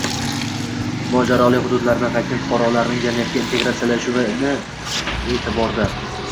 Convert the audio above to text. Mojaroli hududlardan qaytgan fuqarolarning jamiyatga integratsiyalashuvi e’tibordang